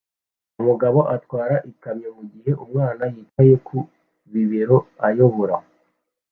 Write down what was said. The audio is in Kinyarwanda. Umugabo atwara ikamyo mugihe umwana yicaye ku bibero akayobora